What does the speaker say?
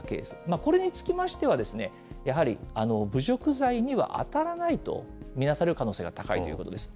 これにつきましては、やはり侮辱罪には当たらないと見なされる可能性が高いということです。